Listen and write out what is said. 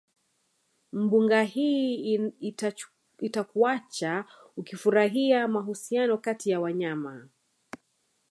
Mbuga hii itakuacha ukifurahia mahusiano kati ya wanyama